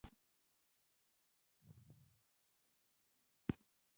دوه کسان جګړه کوي او دریم ترې ګټه پورته کوي.